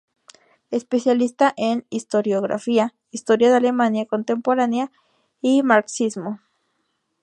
Especialista en historiografía, historia de Alemania contemporánea y marxismo".